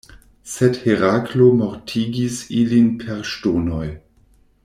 Sed Heraklo mortigis ilin per ŝtonoj.